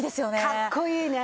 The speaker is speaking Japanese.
かっこいいね。